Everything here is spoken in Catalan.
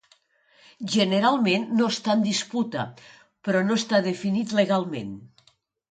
Generalment no està en disputa, però no està definit legalment.